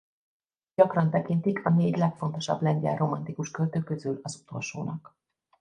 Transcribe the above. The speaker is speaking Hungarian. Gyakran tekintik a négy legfontosabb lengyel romantikus költő közül az utolsónak.